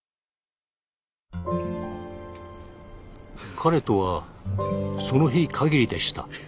彼とはその日限りでした。